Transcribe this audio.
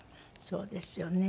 そうですね。